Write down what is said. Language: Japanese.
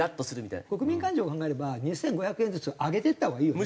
国民感情を考えれば２５００円ずつ上げていったほうがいいよね。